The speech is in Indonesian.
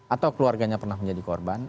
atau keluarganya pernah menjadi korban